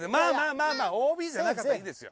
まあまあＯＢじゃなかったらいいですよ。